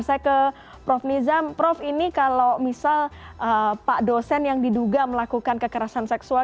saya ke prof nizam prof ini kalau misal pak dosen yang diduga melakukan kekerasan seksual